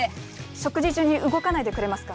食事中に動かないでくれますか。